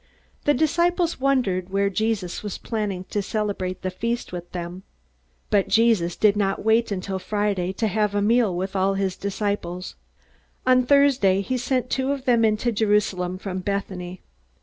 The disciples wondered where Jesus was planning to celebrate the feast with them. But Jesus did not wait until Friday to have a meal with all his disciples. On Thursday he sent two of them into Jerusalem from Bethany.